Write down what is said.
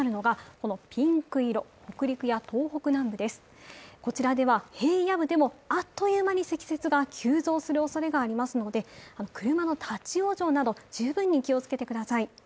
こちらでは平野部でもあっという間に積雪が急増するおそれがありますので、車の立往生など、十分に気をつけてください。